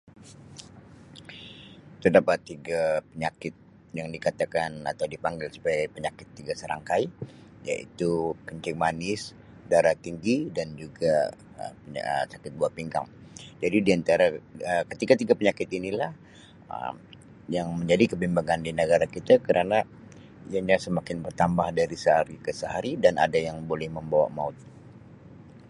Terdapat tiga penyakit yang dikatakan atau dipanggil sebagai penyakit tiga serangkai iaitu kencing manis, darah tinggi dan juga Um sakit buah pinggang jadi di antara Um ketiga tiga penyakit ini lah Um yang menjadi kebimbangan di negara kita kerana ianya semakin bertambah dari sehari ke sehari dan ada yang boleh memabawa maut.